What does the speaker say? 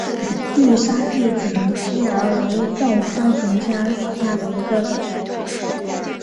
绿沙地锦鸡儿为豆科锦鸡儿属下的一个变种。